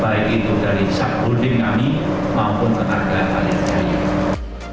baik k dot dari pln baik sot g tem disewa maupun k t t dari k lit jeeeeeee